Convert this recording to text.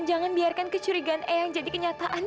jangan biarkan kecurigaan eyang jadi kenyataan